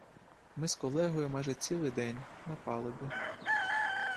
Ми з колегою майже цілий день — на палубі.